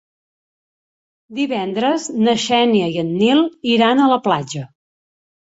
Divendres na Xènia i en Nil iran a la platja.